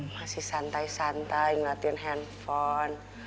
masih santai santai ngeliatin handphone